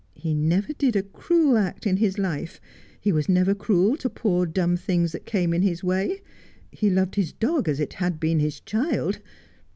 He never did a cruel act in his life ; he was never cruel to poor dumb things that came in his way. He loved his dog as it had been his child.